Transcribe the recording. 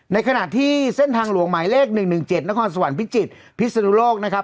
ในขณะที่เส้นทางหลวงหมายเลขหนึ่งหนึ่งเจ็ดสวรรค์พิชิตพิศนโลกนะครับ